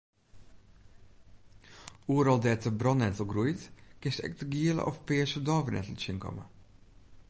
Oeral dêr't de brannettel groeit kinst ek de giele of pearse dôvenettel tsjinkomme.